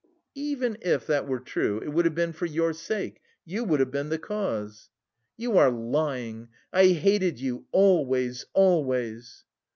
"Even if that were true, it would have been for your sake... you would have been the cause." "You are lying! I hated you always, always...."